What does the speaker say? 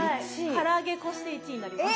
から揚げこして１位になります。